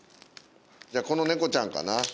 じゃあこの猫ちゃんかな。